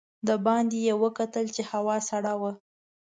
د باندې یې وکتل چې هوا سړه وه.